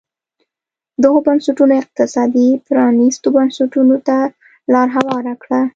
دغو بنسټونو اقتصادي پرانیستو بنسټونو ته لار هواره کړه.